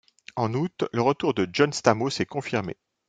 En août, le retour de John Stamos est confirmé.